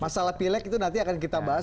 masalah pilek itu nanti akan kita bahas